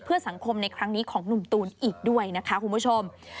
เพื่อสังคมในครั้งนี้ของหนุ่มตูนอีกด้วยนะคะคุณผู้ชม